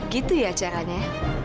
gitu ya caranya